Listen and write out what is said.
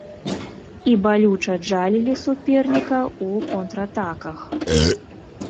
І балюча джалілі суперніка ў контратаках.